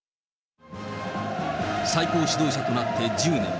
最高指導者となって１０年。